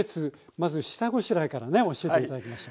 まず下ごしらえからね教えて頂きましょう。